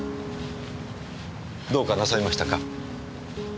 どうかなさいましたか？